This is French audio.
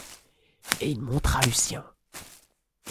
Et il montra Lucien...